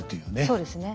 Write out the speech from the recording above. そうですね。